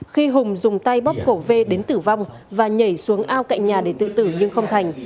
khi hùng dùng tay bóp cổ vê đến tử vong và nhảy xuống ao cạnh nhà để tự tử nhưng không thành